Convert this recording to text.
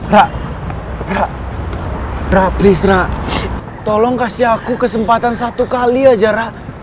rara rara rara tolong kasih aku kesempatan satu kali aja rara